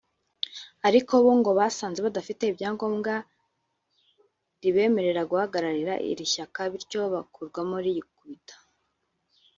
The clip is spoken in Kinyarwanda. ariko bo ngo basanze badafite ibyangombwa ribemerera guhagararira iri shyaka bityo bakurwamo rugikubita